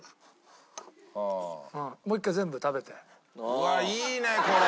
うわっいいねこれ。